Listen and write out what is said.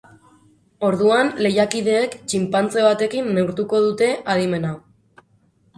Orduan, lehiakideek txinpantze batekin neurtuko dute adimena.